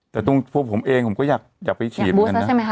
แต่ตรงพวกผมเองผมก็อยากไปฉีดกันนะ